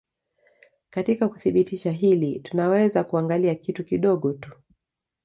Katika kuthibitisha hili tunaweza kuangalia kitu kidogo tu